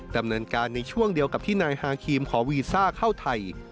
ดำเนินการในช่วงเดียวกับที่นายฮาครีมขอวีซ่าเข้าไทย